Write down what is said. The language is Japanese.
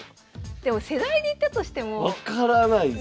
でも世代でいったとしても。分からないっすね。